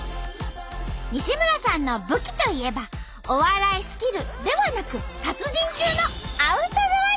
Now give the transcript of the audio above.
西村さんの武器といえばお笑いスキルではなく達人級のアウトドア術！